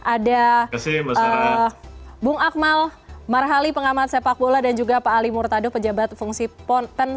ada bung akmal marhali pengamat sepak bola dan juga pak ali murtado pejabat fungsi ponten